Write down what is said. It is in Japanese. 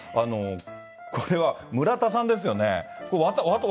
これは村田さんですよね。